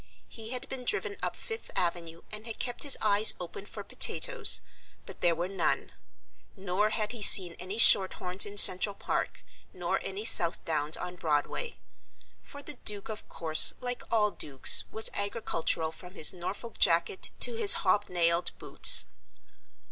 He had been driven up Fifth Avenue and had kept his eyes open for potatoes, but there were none. Nor had he seen any shorthorns in Central Park, nor any Southdowns on Broadway. For the Duke, of course, like all dukes, was agricultural from his Norfolk jacket to his hobnailed boots.